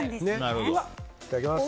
いただきます。